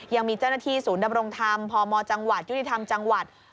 ยังมีเจ้าหน้าที่ศูนย์ดำรงธรรมพมจังหวัดยุติธรรมจังหวัด